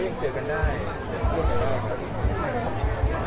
ยังเหมือนเดี๋ยวเราก็ยังเจอกันได้